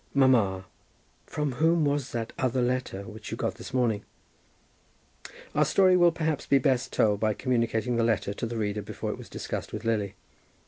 "Mamma, from whom was that other letter which you got this morning?" Our story will perhaps be best told by communicating the letter to the reader before it was discussed with Lily.